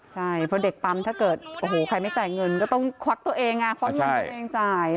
ใช่เพราะเด็กปั๊มถ้าเกิดโอ้โหใครไม่จ่ายเงินก็ต้องควักตัวเองไงควักเงินตัวเองจ่าย